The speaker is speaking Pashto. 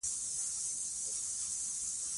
کلتور د افغان نجونو د پرمختګ لپاره فرصتونه برابروي.